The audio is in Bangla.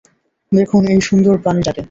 দেখুন এই সুন্দর প্রাণীটাকে!